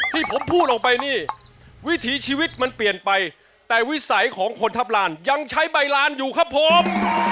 ที่ผมพูดออกไปนี่วิถีชีวิตมันเปลี่ยนไปแต่วิสัยของคนทัพลานยังใช้ใบลานอยู่ครับผม